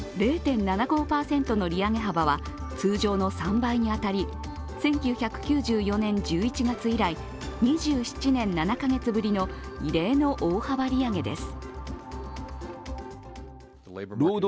０．７５％の利上げ幅は通常の３倍に当たり１９９４年１１月以来、２７年７カ月ぶりの異例の大幅利上げです。